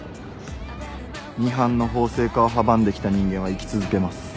ミハンの法制化を阻んできた人間は生き続けます。